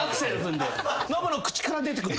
ノブの口から出てくる。